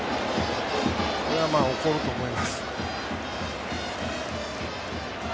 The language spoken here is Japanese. これは怒ると思います。